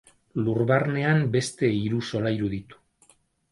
Lur barnean beste hiru solairu ditu.